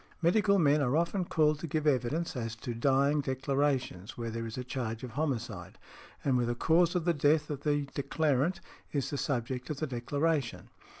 Medical men are often called to give evidence as to dying declarations where there is a charge of homicide, and where the cause of the death of the declarant is the subject of the declaration.